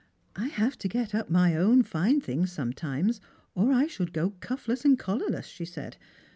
" I have to get up my own fine things sometimes, or I should fo cuffless and collarless," she said.